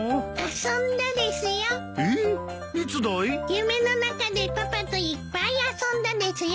夢の中でパパといっぱい遊んだですよ。